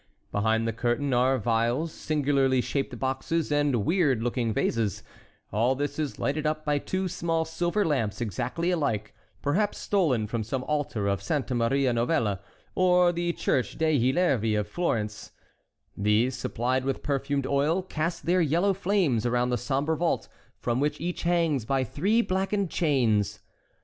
Behind the curtain are phials, singularly shaped boxes, and weird looking vases; all this is lighted up by two small silver lamps exactly alike, perhaps stolen from some altar of Santa Maria Novella or the Church Dei Lervi of Florence; these, supplied with perfumed oil, cast their yellow flames around the sombre vault from which each hangs by three blackened chains.